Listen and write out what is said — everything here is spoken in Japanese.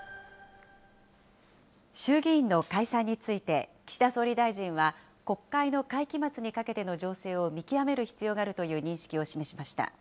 衆議院の解散について、岸田総理大臣は国会の会期末にかけての情勢を見極める必要があるという認識を示しました。